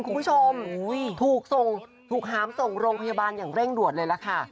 คุณผู้ชมถูกส่งถูกหามส่งโรงพยาบาลอย่างเร่งด่วนเลยล่ะค่ะ